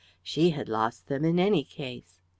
She had lost them in any case.